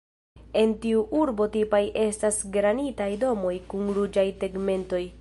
En tiu urbo tipaj estas granitaj domoj kun ruĝaj tegmentoj.